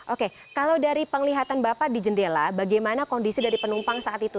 oke kalau dari penglihatan bapak di jendela bagaimana kondisi dari penumpang saat itu